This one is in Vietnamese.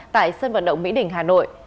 tại sân vận động mỹ đỉnh hà nội